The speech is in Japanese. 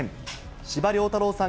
司馬遼太郎さん